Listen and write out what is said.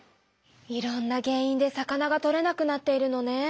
いろんな原いんで魚がとれなくなっているのね。